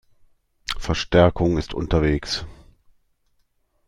Verstärkung ist unterwegs.